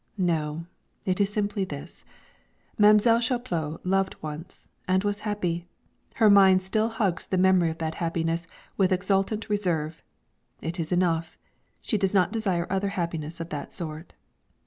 No, it is simply this: Mam'selle Chaplot loved once, and was happy; her mind still hugs the memory of that happiness with exultant reserve; it is enough; she does not desire other happiness of that sort.